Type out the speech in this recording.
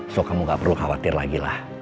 so kamu gak perlu khawatir lagi lah